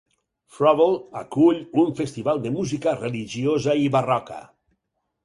Froville acull un festival de música religiosa i barroca.